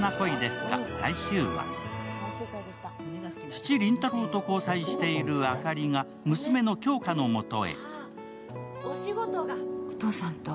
父・林太郎と交際している明里が娘の杏花の元へ。